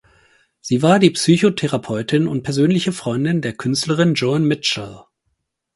Sie war die Psychotherapeutin und persönliche Freundin der Künstlerin Joan Mitchell.